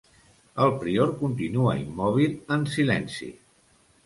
El prior continua immòbil, en silenci.